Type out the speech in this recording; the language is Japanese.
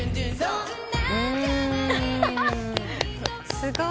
すごい。